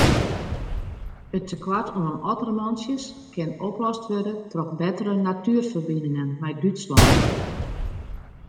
It tekoart oan ottermantsjes kin oplost wurde troch bettere natuerferbiningen mei Dútslân.